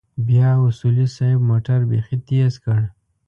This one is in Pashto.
بيا اصولي صيب موټر بيخي تېز کړ.